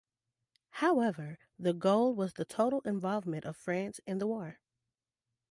However, the goal was the total involvement of France in the war.